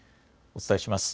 お伝えします。